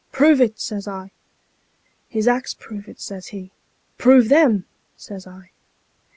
' Prove it,' says I. ' His acts prove it,' says he. ' Prove them,' says I.